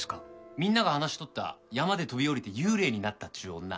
みんなが話しとった山で飛び降りて幽霊になったっちゅう女。